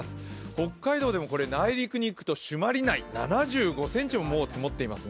北海道でも内陸にいくと朱鞠内７５ｃｍももう積もっています。